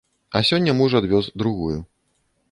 А сёння муж адвёз другую.